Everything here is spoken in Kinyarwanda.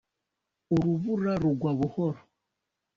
urubura rugwa buhoro,